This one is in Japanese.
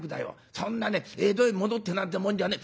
そんなね江戸へ戻ってなんてもんじゃねえ。